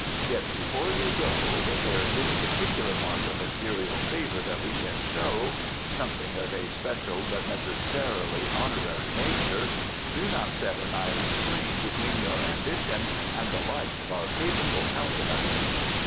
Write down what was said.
Yet before you go, if there is any particular mark of Imperial favour that we can show something of a special but necessarily honorary nature do not set an iron screen between your ambition and the light of our favourable countenance."